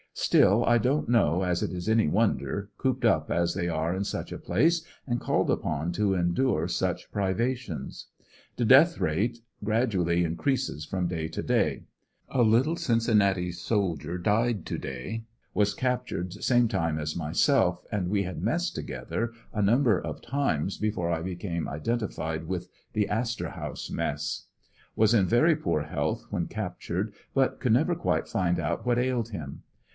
Still I don't know as it is any wonder, cooped up as they are in such a place, and called upon to endure such privations. The death rate gradually increases from day to day. A little Cin cinnati soldier died to day. Was captured same time as myself, and we had messed together a number of times before I became identified with the Astor House Mess." Was in very poor health when captured, but could never quite find out what ailed him.